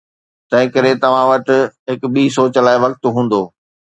تنهن ڪري توهان وٽ هڪ ٻي سوچ لاء وقت هوندو.